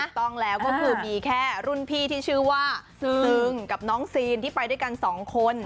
ต้องแล้วก็คือมีแค่รุ่นพี่ที่ชื่อว่าซึงกับน้องซีนที่ไปด้วยกันสองคน